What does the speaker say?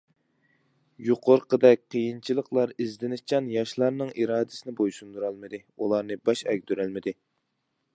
يۇقىرىقىدەك قىيىنچىلىقلار ئىزدىنىشچان ياشلارنىڭ ئىرادىسىنى بويسۇندۇرالمىدى، ئۇلارنى باش ئەگدۈرەلمىدى.